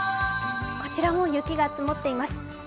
こちらも雪が積もっています。